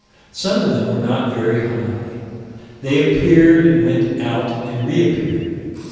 Some of them were not very high. They appeared and went out and reappeared.